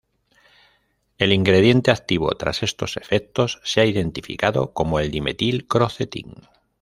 El ingrediente activo tras estos efectos se ha identificado como el dimetil-crocetin.